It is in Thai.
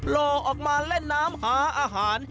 รอออกมาเล่นน้ำหาอาหาร